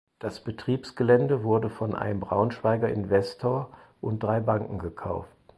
Das Betriebsgelände wurde von einem Braunschweiger Investor und drei Banken gekauft.